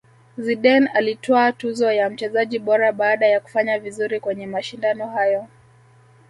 zidane alitwaa tuzo ya mchezaji bora baada ya kufanya vizuri kwenye mashindano hayo